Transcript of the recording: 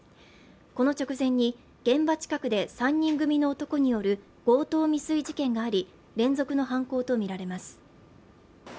この直前に現場近くで３人組の男による強盗未遂事件があり連続の犯行とみられます